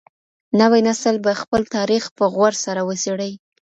نوی نسل به خپل تاريخ په غور سره وڅېړي.